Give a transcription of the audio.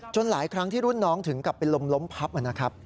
หลายครั้งที่รุ่นน้องถึงกลับเป็นลมล้มพับนะครับ